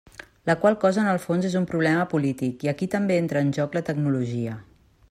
La qual cosa, en el fons, és un problema polític, i aquí també entra en joc la tecnologia.